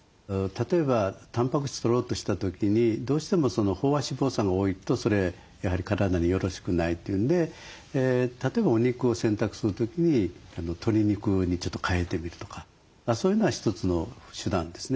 例えばタンパク質とろうとした時にどうしても飽和脂肪酸が多いとそれやはり体によろしくないというんで例えばお肉を選択する時に鶏肉にちょっと変えてみるとかそういうのは一つの手段ですね。